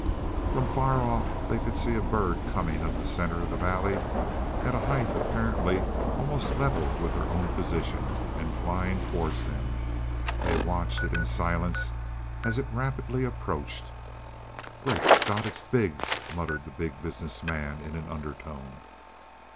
From far off they could see a bird coming up the center of the valley at a height apparently almost level with their own position, and flying towards them. They watched it in silence as it rapidly approached. "Great Scott, it's big!" muttered the Big Business Man in an undertone.